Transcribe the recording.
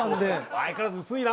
相変わらず薄いな。